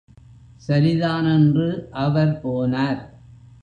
சரிதான் என்று அவர் போனார்.